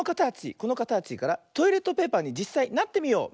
このかたちからトイレットペーパーにじっさいなってみよう。